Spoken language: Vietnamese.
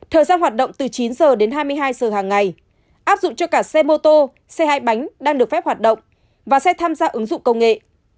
thời gian hoạt động từ chín h đến hai mươi hai giờ hàng ngày áp dụng cho cả xe mô tô xe hai bánh đang được phép hoạt động và xe tham gia ứng dụng công nghệ